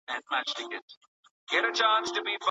هر ماشوم د کشف یوه نوي نړۍ ده.